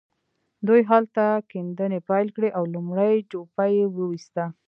دوی هلته کيندنې پيل کړې او لومړۍ جوپه يې وويسته.